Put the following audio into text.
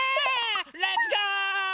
レッツゴ−！